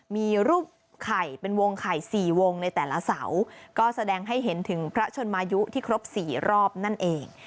มีรูปไข่เป็นวงไข่สี่วงในแต่ละเสาก็แสดงให้เห็นถึงพระชนมายุที่ครบ๔รอบนั่นเอง